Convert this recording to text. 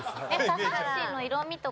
下半身の色味とか。